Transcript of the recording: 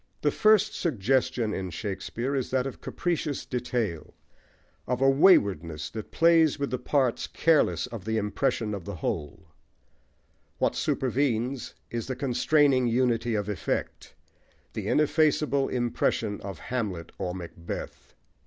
The first suggestion in Shakespeare is that of capricious detail, of a waywardness that plays with the parts careless of the impression of the whole; what supervenes is the constraining unity of effect, the ineffaceable impression, of Hamlet or Macbeth.